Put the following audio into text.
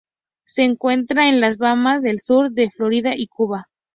Se encuentra en las Bahamas, el sur de Florida y Cuba.